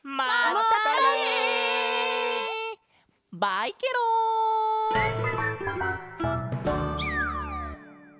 バイケロン！